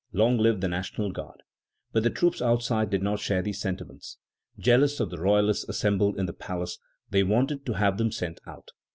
Long live the National Guard!" But the troops outside did not share these sentiments. Jealous of the royalists assembled in the palace, they wanted to have them sent out.